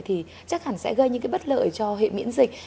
thì chắc hẳn sẽ gây những cái bất lợi cho hệ miễn dịch